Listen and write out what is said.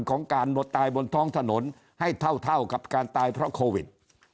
ของการหมดตายบนท้องถนนให้เท่ากับการตายเพราะโควิด